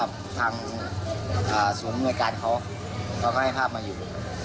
สดังงานของมือการเขาเขาให้ภาพมาอยู่